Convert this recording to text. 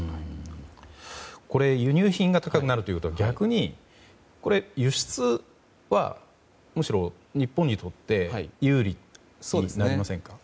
輸入品が高くなると、逆に輸出はむしろ日本にとって有利になりませんか？